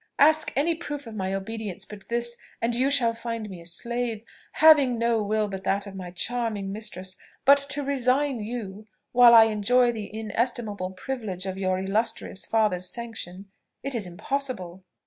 "Ask any proof of my obedience but this, and you shall find me a slave, having no will but that of my charming mistress; but to resign you while I enjoy the inestimable privilege of your illustrious father's sanction, it is impossible."